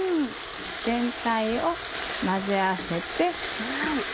全体を混ぜ合わせて。